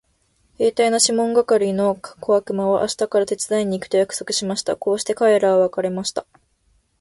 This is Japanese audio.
兵隊のシモン係の小悪魔は明日から手伝いに行くと約束しました。こうして彼等は別れました。